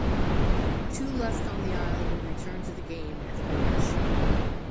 The two left on the Isle will return to the game at the merge.